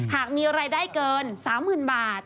หากมีรายได้เกิน๓๐๐๐บาท